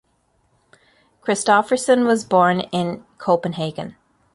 Christopherson was born in Copenhagen.